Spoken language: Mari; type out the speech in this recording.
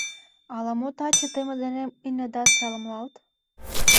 — Ала мо таче те мый денем ынедат саламлалт?